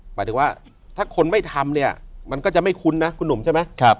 หมายถึงว่าถ้าคนไม่ทำเนี่ยมันก็จะไม่คุ้นนะคุณหนุ่มใช่ไหม